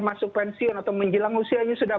masuk pensiun atau menjelang usianya sudah